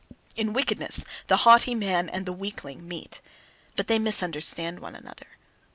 In wickedness the haughty man and the weakling meet. But they misunderstand one another.